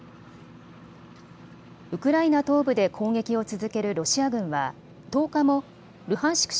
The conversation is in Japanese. ウクライナ東部で攻撃を続けるロシア軍は１０日もルハンシク